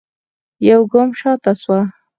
يوګام شاته سوه.